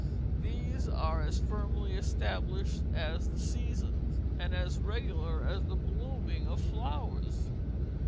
These are as firmly established as the seasons, and as regular as the blooming of flowers.